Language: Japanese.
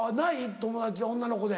友達で女の子で。